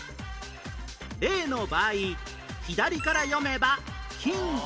例の場合左から読めば「きんか」